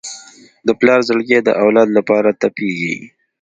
د پلار زړګی د اولاد لپاره تپېږي.